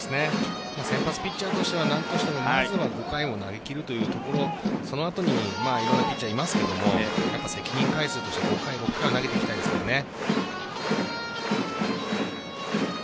先発ピッチャーとしては何としてもまずは５回を投げきるというところその後にいろんなピッチャーいますけど責任回数として投げていきたいですよね。